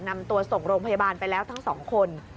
นำตัวส่งโรงพยาบาลไปแล้วทั้งสองคน